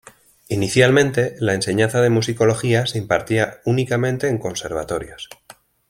Inicialmente, la enseñanza de musicología se impartía únicamente en conservatorios.